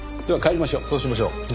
では帰りましょう。